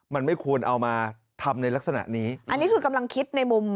มันไม่ควรเอามาทำในลักษณะนี้อันนี้คือกำลังคิดในมุม